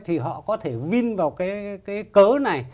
thì họ có thể vin vào cái cớ này